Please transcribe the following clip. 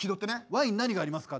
「ワイン何がありますか？」。